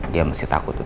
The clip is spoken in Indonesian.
dia masih takut sama riki